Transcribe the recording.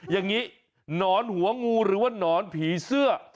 อย่างนี้หนอนหัวงูหรือว่าหนอนผีเสื้อ